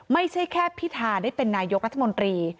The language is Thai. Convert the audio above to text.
ไม่ใช่แค่พิธาได้เป็นนายกรัฐมนตรี